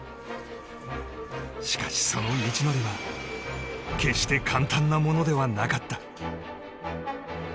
しかし、その道のりは決して簡単なものではなかった。